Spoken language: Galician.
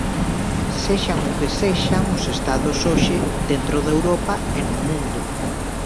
Sexan o que sexan os estados hoxe dentro da Europa e no mundo.